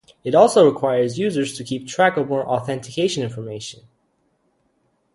It also requires users to keep track of more authentication information.